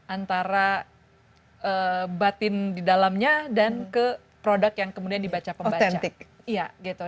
antara batin di dalamnya dan ke produk yang kemudian dibaca pembaca